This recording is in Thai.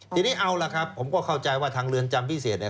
ทีนี้เอาล่ะครับผมก็เข้าใจว่าทางเรือนจำพิเศษเนี่ย